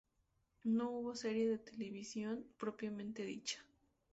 No hubo serie de televisión propiamente dicha.